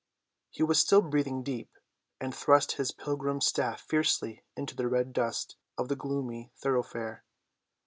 He was still breathing deep, and thrust his pilgrim's staff fiercely into the red dust of the gloomy thoroughfare.